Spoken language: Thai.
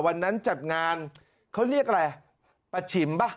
วันนั้นจัดงานเขาเรียกอะไรปะฉิมป่ะ